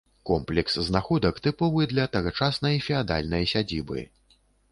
Комплекс знаходак тыповы для тагачаснай феадальнай сядзібы.